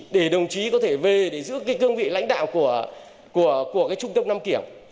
để đồng chí có thể về để giữ cái cương vị lãnh đạo của cái trung tâm đăng kiểm